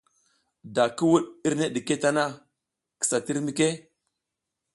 Da ki wuɗ irne ɗike tana, kisa tir mike.